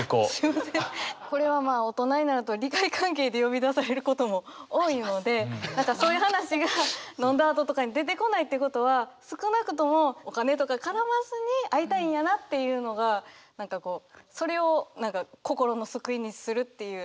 これは大人になると利害関係で呼び出されることも多いのでそういう話が飲んだあととかに出てこないってことは少なくともお金とか絡まずに会いたいんやなっていうのが何かこうそれを心の救いにするっていう。